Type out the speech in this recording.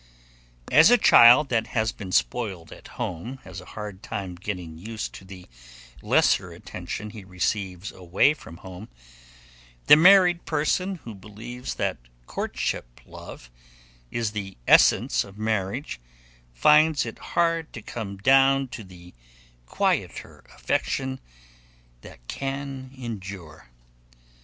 As a child that has been spoiled at home has a hard time getting used to the lesser attention he receives away from home, the married person who believes that courtship love is the essence of marriage finds it hard to come down to the quieter affection that can endure.